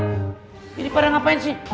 pilih pada ngapain sih